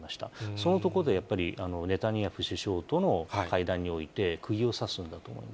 そのところでやっぱりネタニヤフ首相との会談において、くぎを刺